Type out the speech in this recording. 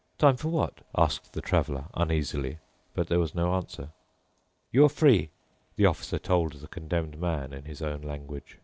"Time for what?" asked the Traveler uneasily. But there was no answer. "You are free," the Officer told the Condemned Man in his own language.